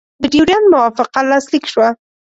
د ډیورنډ موافقه لاسلیک شوه.